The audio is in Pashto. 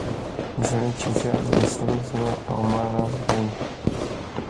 زړه چې زیات له سرو زرو او ماله دی.